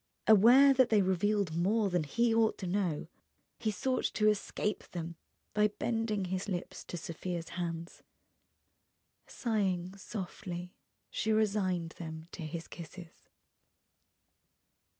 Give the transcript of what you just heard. Aware that they revealed more than he ought to know, he sought to escape them by bending his lips to Sofia's hands. Sighing softly, she resigned them to his kisses.